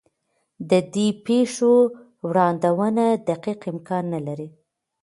د دې پېښو وړاندوینه دقیق امکان نه لري.